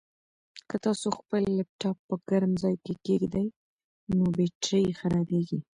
که تاسو خپل لپټاپ په ګرم ځای کې کېږدئ نو بېټرۍ یې خرابیږي.